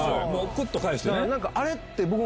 クッと返してね。